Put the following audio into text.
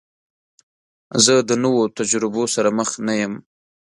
زه د نوو تجربو سره مخ نه یم.